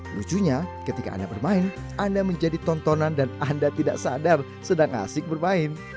lucunya ketika anda bermain anda menjadi tontonan dan anda tidak sadar sedang asik bermain